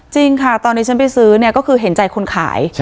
จริงค่ะตอนที่ฉันไปซื้อเนี่ยก็คือเห็นใจคนขาย